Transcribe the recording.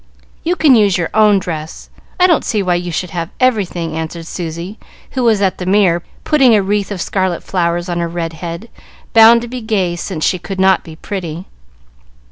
"You can use your own dress. I don't see why you should have everything," answered Susy, who was at the mirror, putting a wreath of scarlet flowers on her red head, bound to be gay since she could not be pretty.